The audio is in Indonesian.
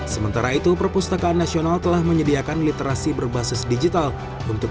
sementara itu perpustakaan nasional telah menyediakan literasi berbasis digital untuk